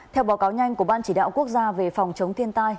theo báo cáo nhanh của ban chỉ đạo quốc gia về phòng chống thiên tai